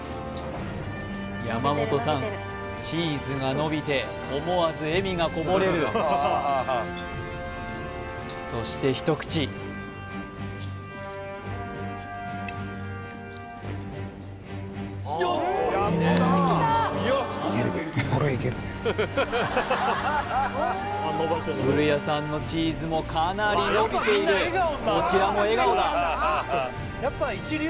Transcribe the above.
山本さんチーズがのびて思わず笑みがこぼれるそして一口古屋さんのチーズもかなりのびているこちらも笑顔だ